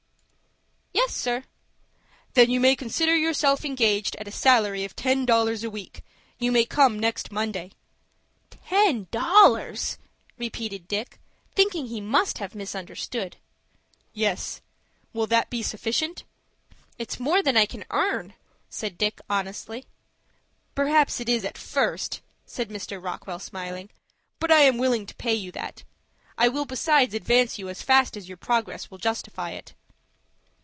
"Yes, sir." "Then you may consider yourself engaged at a salary of ten dollars a week. You may come next Monday morning." "Ten dollars!" repeated Dick, thinking he must have misunderstood. "Yes; will that be sufficient?" "It's more than I can earn," said Dick, honestly. "Perhaps it is at first," said Mr. Rockwell, smiling; "but I am willing to pay you that. I will besides advance you as fast as your progress will justify it."